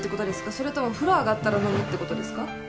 それとも風呂上がったら飲むって事ですか？